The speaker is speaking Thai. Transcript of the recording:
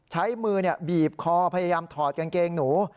ใช้มือบีบคอพยายามถอดกางเกงหนู